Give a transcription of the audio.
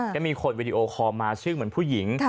ก็มีคนวิดีโอคอลมาชื่อเหมือนผู้หญิง